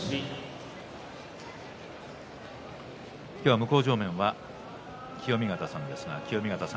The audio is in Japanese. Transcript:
向正面は清見潟さんです。